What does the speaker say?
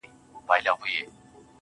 چي ته راځې تر هغو خاندمه، خدایان خندوم.